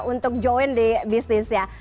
untuk join di bisnisnya